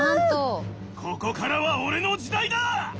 ここからは俺の時代だ！